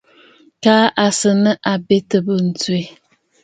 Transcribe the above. Kaa à sɨ̀ nɨ̂ àbetə̀ bû ǹtswe.